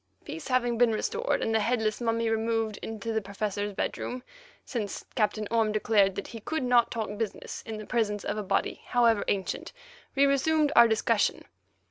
Peace having been restored, and the headless mummy removed into the Professor's bedroom, since Captain Orme declared that he could not talk business in the presence of a body, however ancient, we resumed our discussion.